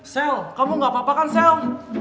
sel kamu gak apa apa kan sel